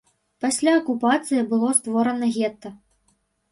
Пасля акупацыі было створана гета.